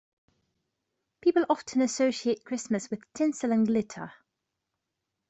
People often associate Christmas with tinsel and glitter.